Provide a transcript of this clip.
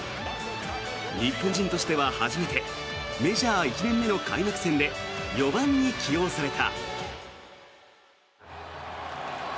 日本人としては初めてメジャー１年目の開幕戦で４番に起用された。